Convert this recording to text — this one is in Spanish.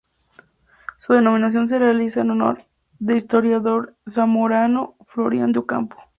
Su denominación se realiza en honor del historiador zamorano Florián de Ocampo.